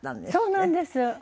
そうなんです。